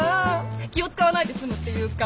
気を使わないで済むっていうか。